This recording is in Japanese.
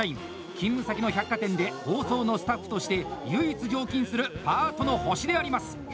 勤務先の百貨店で包装のスタッフとして唯一常勤する「パートの星」であります。